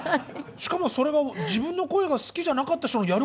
しかもそれが自分の声が好きじゃなかった人のやることですかね。